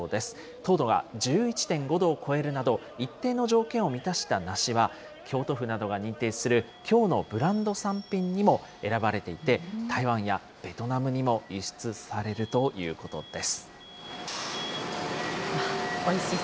糖度が１１．５度を超えるなど、一定の条件を満たした梨は、京都府などが認定する、京のブランド産品にも選ばれていて、台湾やベトナムにも輸出されるということです。